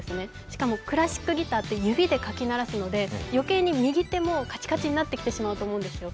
しかもクラシックギターって指でかき鳴らすので余計に右手もカチカチになってくると思うんですよ。